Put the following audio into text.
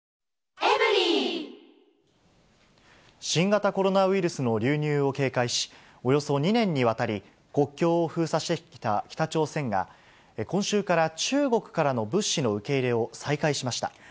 新型コロナウイルスの流入を警戒し、およそ２年にわたり、国境を封鎖してきた北朝鮮が、今週から中国からの物資の受け入れを再開しました。